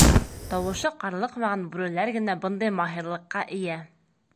Тауышы ҡарлыҡмаған бүреләр генә бындай маһирлыҡҡа эйә.